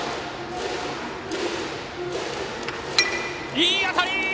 いい当たり！